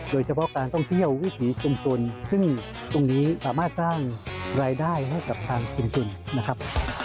โดยเฉพาะการท่องเที่ยววิถีชุมชนซึ่งตรงนี้สามารถสร้างรายได้ให้กับทางชุมชนนะครับ